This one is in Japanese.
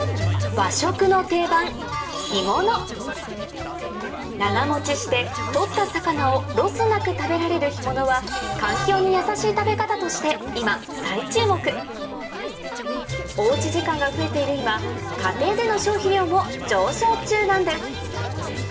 和食の定番長持ちして取った魚をロスなく食べられる干物は環境にやさしい食べ方として今再注目お家時間が増えている今家庭での消費量も上昇中なんです